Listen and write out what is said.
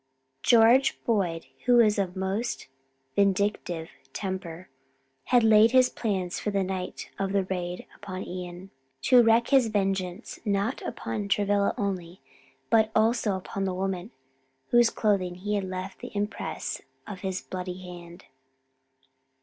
George Boyd, who was of most vindictive temper, had laid his plans for the night of the raid upon Ion, to wreak his vengeance not upon Travilla only, but also upon the woman on whose clothing he had left the impress of his bloody hand.